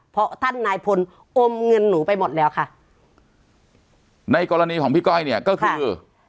เพราะท่านนายพลอมเงินหนูไปหมดแล้วค่ะในกรณีของพี่ก้อยเนี่ยก็คือ